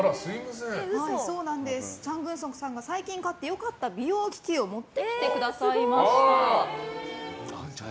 チャン・グンソクさんが最近買って良かった美容機器を持ってきてくださいました。